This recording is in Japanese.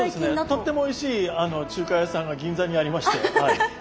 とってもおいしい中華屋さんが銀座にありましてはい。